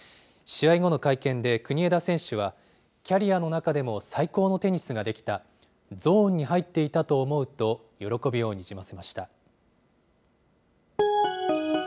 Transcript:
試合後の会見で国枝選手は、キャリアの中でも最高のテニスができた、ゾーンに入っていたと思うと、喜びをにじませました。